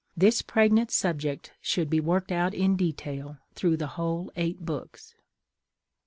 This pregnant subject should be worked out in detail through the whole eight books.